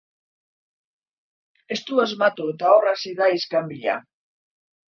Ez du asmatu eta hor hasi da iskanbila.